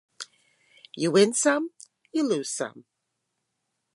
You win some, you lose some.